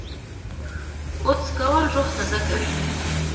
اودس کول روح تازه کوي